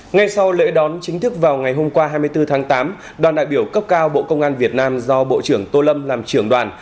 ngay sau lễ đón chính thức vào ngày hôm qua hai mươi bốn tháng tám đoàn đại biểu cấp cao bộ công an việt nam do bộ trưởng tô lâm làm trưởng đoàn